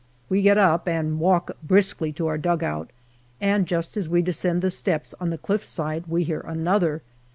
We get up and walk briskly to our dugout, and just as we descend the steps on the cliff side we hear another.